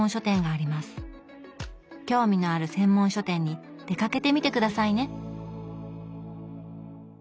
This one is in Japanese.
興味のある専門書店に出かけてみて下さいね